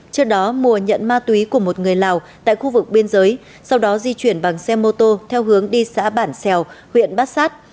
trước đó mùa nhận ma túy của một người lào tại khu vực biên giới sau đó di chuyển bằng xe mô tô theo hướng đi xã bản xèo huyện bát sát